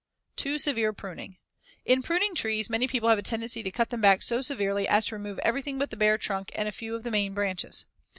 ] Too severe pruning: In pruning trees, many people have a tendency to cut them back so severely as to remove everything but the bare trunk and a few of the main branches.